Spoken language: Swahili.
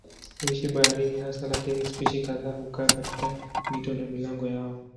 Huishi baharini hasa lakini spishi kadhaa hukaa katika mito na milango yao.